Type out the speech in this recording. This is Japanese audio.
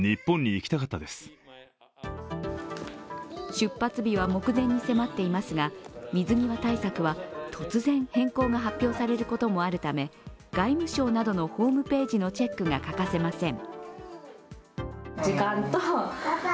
出発日は目前に迫っていますが、水際対策は突然変更が発表されることもあるため外務省などのホームページのチェックが欠かせません。